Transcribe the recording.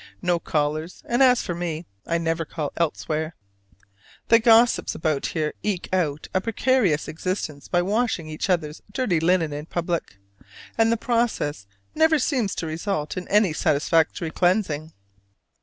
No callers; and as for me, I never call elsewhere. The gossips about here eke out a precarious existence by washing each other's dirty linen in public: and the process never seems to result in any satisfactory cleansing.